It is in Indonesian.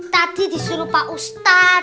tadi disuruh pak ustad